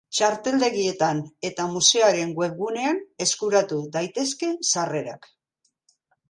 Txarteldegietan eta museoaren webgunean eskuratu daitezke sarrerak.